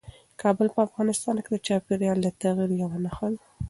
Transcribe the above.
کابل په افغانستان کې د چاپېریال د تغیر یوه نښه ده.